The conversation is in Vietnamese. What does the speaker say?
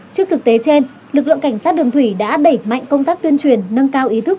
trước thực tế trên lực lượng cảnh sát đường thủy đã đẩy mạnh công tác tuyên truyền nâng cao ý thức